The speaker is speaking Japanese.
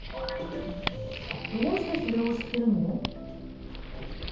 「どうしてそれを知ってるの？」。